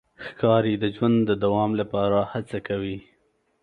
ښکاري د ژوند د دوام لپاره هڅه کوي.